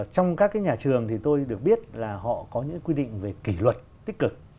trong các cái nhà trường thì tôi được biết là họ có những quy định về kỷ luật tích cực